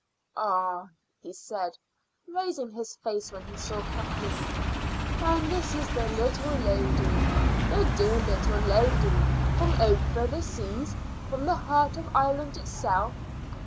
"Ah!" he said, raising his face when he saw Kathleen. "And is this the little lady the dear little lady from over the seas, from the heart of Ireland itself?